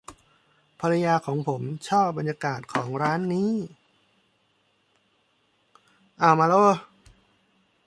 ภรรยาของผมชอบบรรยากาศของร้านนี้